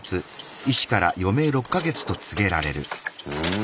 うん。